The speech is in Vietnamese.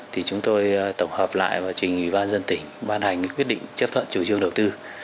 thì chúng tôi tổng hợp lại và trình ủy ban dân tỉnh ban hành quyết định chấp thuận chủ trương đầu tư